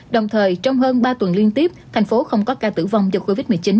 đồng thời trong hơn ba tuần liên tiếp thành phố không có ca tử vong do covid một mươi chín